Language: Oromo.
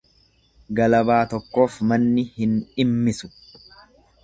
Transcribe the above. Galabaa tokkoof manni hin dhimmisu.